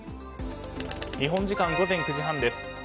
日本時間午前９時半です。